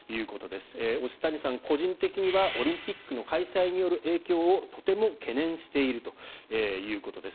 押谷さん、個人的にはオリンピックの開催による影響をとても懸念しているということです。